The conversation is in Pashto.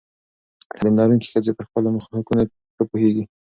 تعلیم لرونکې ښځې پر خپلو حقونو ښه پوهېږي.